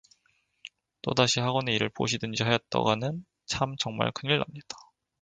또다시 학원의 일을 보시든지 하였다가는 참 정말 큰일납니다.